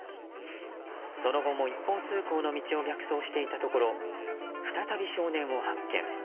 その後も一方通行の道を逆走していたところ再び、少年を発見。